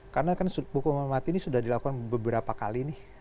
karena kan hukuman mati ini sudah dilakukan beberapa kali nih